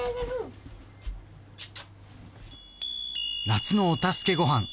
「夏のお助けごはん」